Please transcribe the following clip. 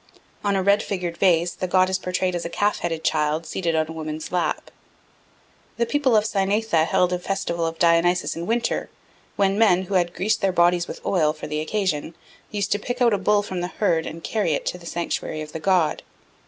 On a red figured vase the god is portrayed as a calf headed child seated on a woman's lap. The people of Cynaetha held a festival of Dionysus in winter, when men, who had greased their bodies with oil for the occasion, used to pick out a bull from the herd and carry it to the sanctuary of the god.